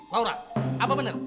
laura apa bener